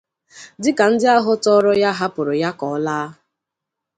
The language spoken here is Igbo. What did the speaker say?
dịka ndị ahụ tọọrọ ya hapụrụ ya ka ọ laa